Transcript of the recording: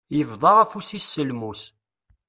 Yebḍa afus-is s lmus.